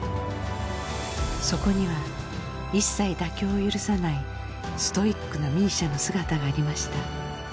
そこには一切妥協を許さないストイックなＭＩＳＩＡの姿がありました。